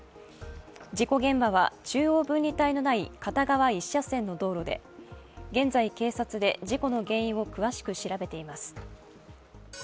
事故現場は中央分離帯のない片側１車線の道路で現在、警察で事故の原因を詳しく調べています。